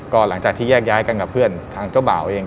ก็หลังจากที่แยกย้ายกันกับเพื่อนทางเจ้าบ่าวเอง